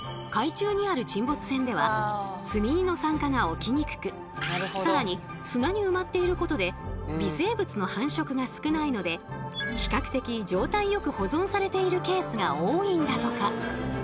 海中にある沈没船では積荷の酸化が起きにくく更に砂に埋まっていることで微生物の繁殖が少ないので比較的状態よく保存されているケースが多いんだとか。